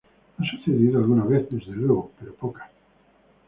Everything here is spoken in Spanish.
Ha sucedido alguna vez, desde luego, pero pocas.